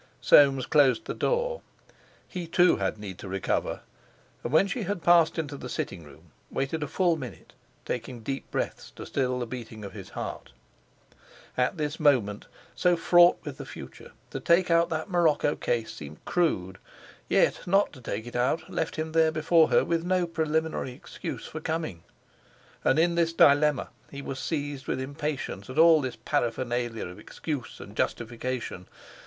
Soames closed the door. He, too, had need to recover, and when she had passed into the sitting room, waited a full minute, taking deep breaths to still the beating of his heart. At this moment, so fraught with the future, to take out that morocco case seemed crude. Yet, not to take it out left him there before her with no preliminary excuse for coming. And in this dilemma he was seized with impatience at all this paraphernalia of excuse and justification.